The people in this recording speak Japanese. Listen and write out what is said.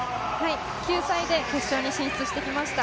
救済で決勝に進出してきました。